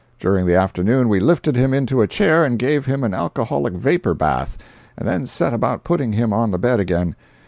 During the afternoon we lifted him into a chair and gave him an alcoholic vapor bath, and then set about putting him on the bed again.